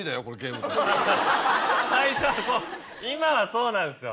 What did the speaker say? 最初は今はそうなんですよ。